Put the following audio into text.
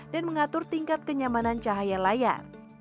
dan mengatur tingkat kenyamanan cahaya layar